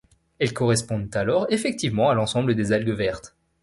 Elles correspondent alors effectivement à l'ensemble des algues vertes.